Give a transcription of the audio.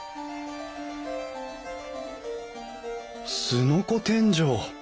すのこ天井！